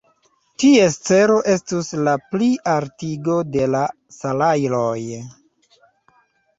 Ties celo estus la plialtigo de la salajroj.